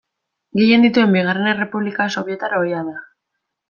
Gehien dituen bigarren errepublika sobietar ohia da.